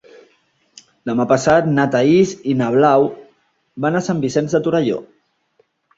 Demà passat na Thaís i na Blau van a Sant Vicenç de Torelló.